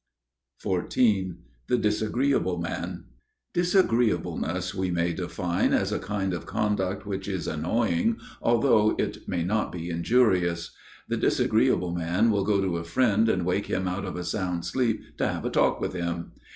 XIV The Disagreeable Man (Ἀηδία) Disagreeableness we may define as a kind of conduct which is annoying, although it may not be injurious. The disagreeable man will go to a friend and wake him out of a sound sleep to have a talk with him.